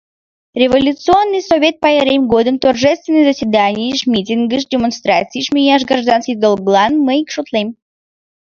Революционный, совет пайрем годым торжественный заседанийыш, митингыш, демонстрацийыш мияш гражданский долглан мый шотлем.